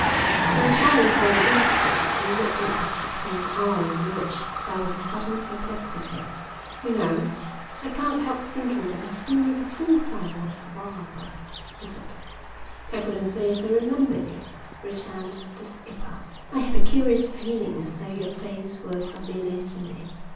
He was silent for an instant and looked at the captain with eyes in which there was a sudden perplexity. "You know, I can't help thinking that I've seen you before somewhere or other," he said. "I couldn't say as I remember you," returned the skipper. "I have a curious feeling as though your face were familiar to me.